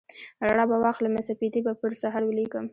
رڼا به واخلمه سپیدې به پر سحر ولیکم